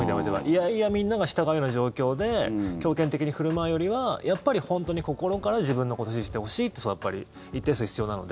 嫌々みんなが従うような状況で強権的に振る舞うよりはやっぱり本当に心から自分のことを支持してほしいって人はやっぱり一定数、必要なので。